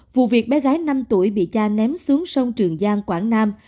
vụ việc bé gái năm tuổi bị cha ném xuống sông trường giang quảng nam